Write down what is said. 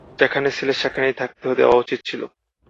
যেখানে ছিলে সেখানেই থাকতে দেওয়া উচিত ছিল।